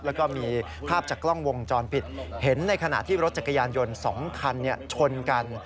แล้วก็มีภาพจากกล้องวงจรปิดเห็นในขณะที่รถจักรยานยนต์๒คันชนกัน